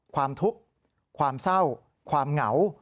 ความทุกข์ความเศร้าความเหงา